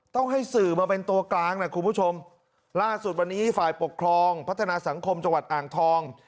ต้องให้สื่อมาเป็นตัวกลางนะคุณผู้ชมล่าสุดวันนี้ฝ่ายปกครองพัฒนาสังคมจังหวัดอ่างทอง